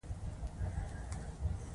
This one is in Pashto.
د کدو ګل د ټوخي لپاره وکاروئ